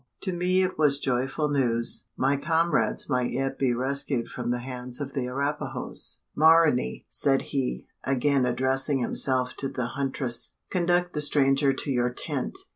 To me it was joyful news: my comrades might yet be rescued from the hands of the Arapahoes? "Ma ra nee!" said he, again addressing himself to the huntress, "conduct the stranger to your tent!